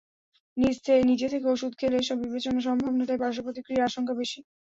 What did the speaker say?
নিজে থেকে ওষুধ খেলে এসব বিবেচনা সম্ভব নয়, তাই পার্শ্বপ্রতিক্রিয়ার আশঙ্কা বেশি।